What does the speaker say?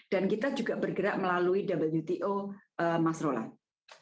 dan kita juga bergerak melalui wto mas roland